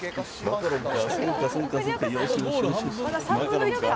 マカロンか。